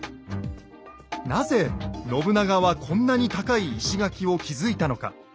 なぜ信長はこんなに高い石垣を築いたのか。